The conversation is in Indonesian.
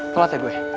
kelat ya gue